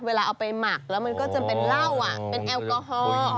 เวลาเอาไปหมักแล้วมันก็จะเป็นเหล้าเป็นแอลกอฮอล์